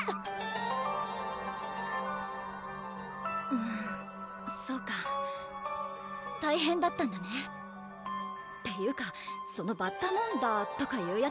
うーんそうか大変だったんだねっていうかそのバッタモンダーとかいうヤツ